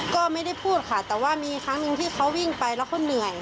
ก็ไม่ได้พูดค่ะแต่ว่ามีครั้งหนึ่งที่เขาวิ่งไปแล้วเขาเหนื่อย